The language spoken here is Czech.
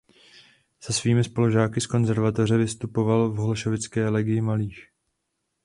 Se svými spolužáky z konzervatoře vystupoval v holešovické Legii malých.